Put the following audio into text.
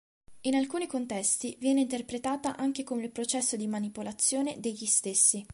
In alcuni contesti, viene interpretata anche come il processo di manipolazione degli stessi.